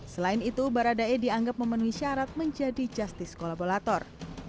selain itu baradae dianggap memenuhi syarat menjadi justice kolaborator